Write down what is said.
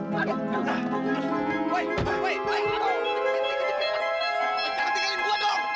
jangan tinggalin gua dong